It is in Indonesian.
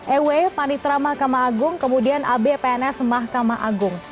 ew panitra mahkamah agung kemudian ab pns mahkamah agung